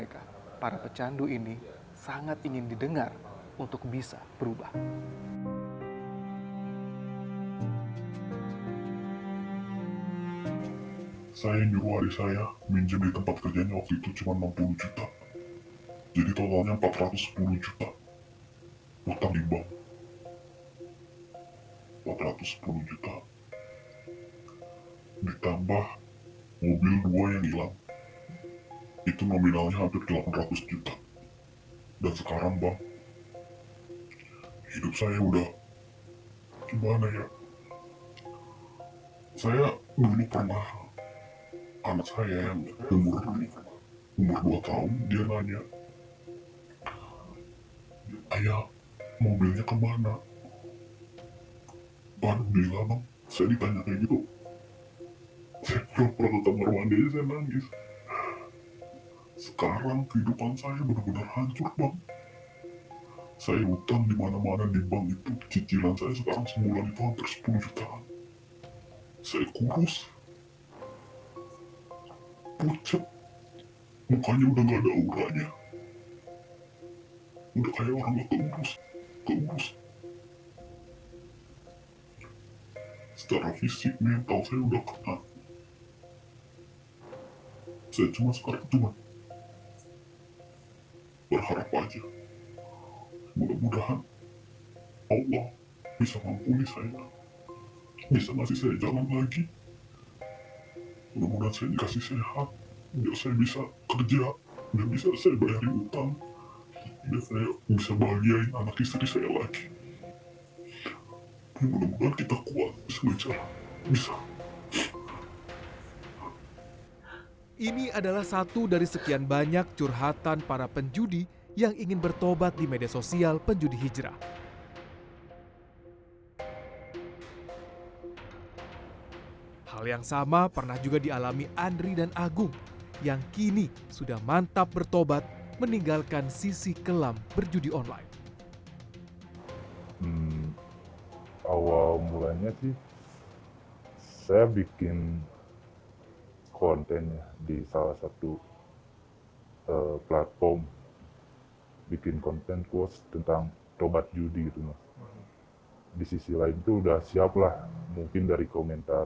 kalau boleh tahu sedikit saja penghasilan dari mas abdur sebulan berapa